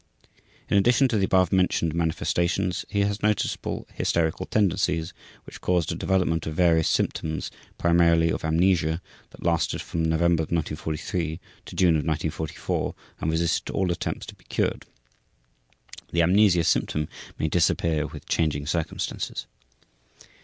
In addition to the above mentioned manifestations he has noticeable hysterical tendencies which caused a development of various symptoms, primarily, of amnesia that lasted from November 1943 to June of 1944 and resisted all attempts to be cured. The amnesia symptom may disappear with changing circumstances.